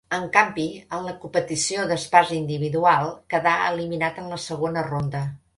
En canvi en la competició d'espasa individual quedà eliminat en la segona ronda.